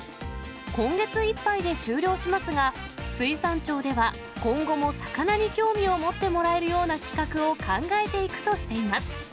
今月いっぱいで終了しますが、水産庁では、今後も魚に興味を持ってもらえるような企画を考えていくとしています。